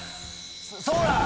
そうだー。